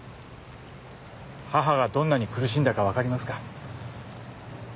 母がどんなに苦しんだか分かりますか？